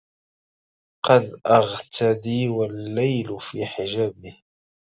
قد أغتدي والليل في حجابه